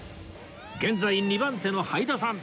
現在２番手のはいださん